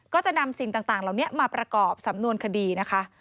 ก็จะนำสิ่งต่างเหล่านี้มาประกอบสำนวนคดีนะคะ